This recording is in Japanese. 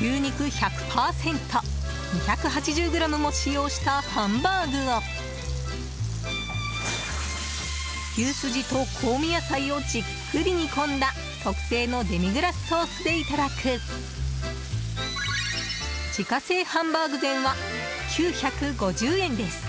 牛肉１００％２８０ｇも使用したハンバーグを牛すじと香味野菜をじっくり煮込んだ特製のデミグラスソースでいただく自家製ハンバーグ膳は９５０円です。